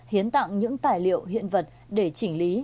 hiến tặng những tài liệu hiện vật để chỉnh lý